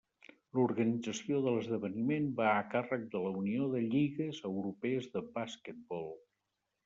L'organització de l'esdeveniment va a càrrec de la Unió de Lligues Europees de Basquetbol.